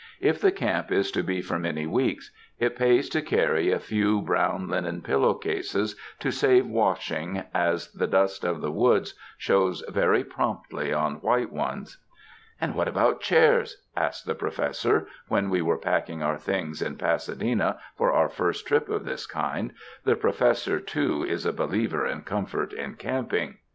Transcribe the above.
If the camp is to be for many weeks, it pays to carry a few brown linen pillow cases to save washing, as the dust of the woods shows very promptly on white ones. "And what about chairs?" asked the Professor, when we were packing our things in Pasadena for our first trip of this kind, — the Professor too is a believer in comfort in camping.